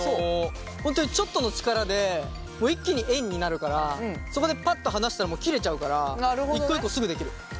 本当にちょっとの力で一気に円になるからそこでパッと離したら切れちゃうから一個一個すぐ出来る。